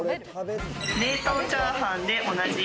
冷凍チャーハンでおなじみ